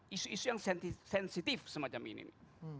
isu isu yang sensitif semacam ini nih